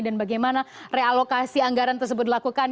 dan bagaimana realokasi anggaran tersebut dilakukan